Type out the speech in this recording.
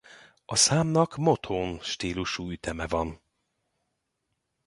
A számnak Motown-stílusú üteme van.